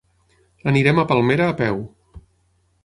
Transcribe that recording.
Anirem a Palmera a peu.